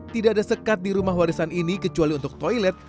tidak ada sekat di rumah warisan ini kecuali untuk toilet